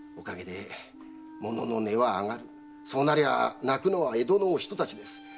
そうなりゃ泣くのは江戸のお人たちです。